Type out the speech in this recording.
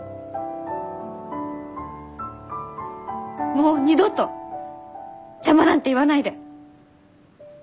もう二度と「邪魔」なんて言わないで！